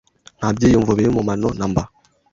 Nta byiyumvo biri mu mano namba.